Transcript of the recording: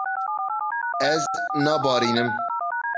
Ez nabarînim.